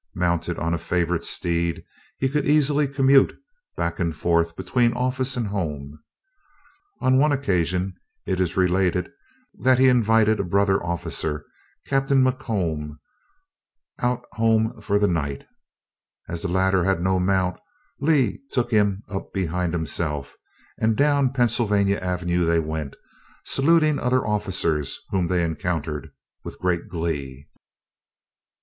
Mounted on a favorite steed he could easily "commute" back and forth between office and home. On one occasion it is related that he invited a brother officer, Captain Macomb, out home for the night, and as the latter had no mount, Lee took him up behind himself, and down Pennsylvania Avenue they went, saluting other officers whom they encountered, with great glee.